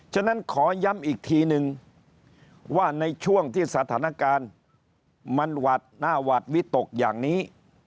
ฉะนั้นขอย้ำอีกทีนึงว่าในช่วงที่สถานการณ์มันหวัดหน้าหวัดวิตกอย่างนี้